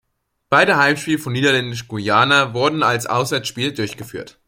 Beide Heimspiele von Niederländisch-Guayana wurden als Auswärtsspiele durchgeführt.